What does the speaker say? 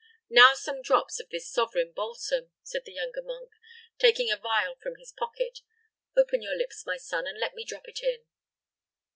"Now some drops of this sovereign balsam," said the younger monk, taking a vial from his pocket. "Open your lips, my son, and let me drop it in."